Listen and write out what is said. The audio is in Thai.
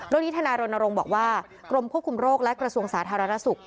โดยอิทธานาโรนโรงบอกว่ากรมควบคุมโรคและกระทรวงสาธารณสุข